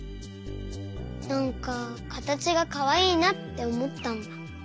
なんかかたちがかわいいなっておもったんだ。